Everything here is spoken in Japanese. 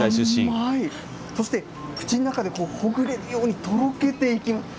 そして口の中でほぐれるように、とろけていきます。